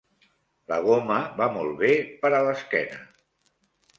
La goma va molt bé per a l'esquena.